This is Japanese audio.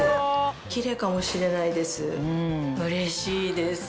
キレイかもしれないです。